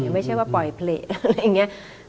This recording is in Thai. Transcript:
ไม่ใช่ว่าปล่อยเพลงอะไรอย่างนี้